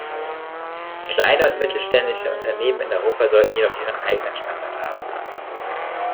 Kleine und mittelständische Unternehmen in Europa sollten jedoch ihren eigenen Standard haben.